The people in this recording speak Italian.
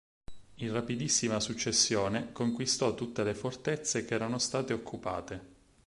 In rapidissima successione conquistò tutte le fortezze che erano state occupate.